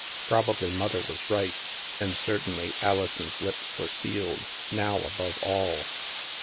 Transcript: Probably Mother was right. And certainly Alison's lips were sealed, now above all.